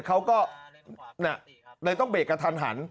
แต่เค้าก็เลยต้องเบรกกันทัน